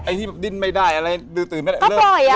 ไอ้ที่ดินไม่ได้อะไรดื้อตื่นไม่ได้